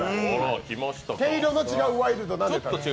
毛色の違うワイルドです。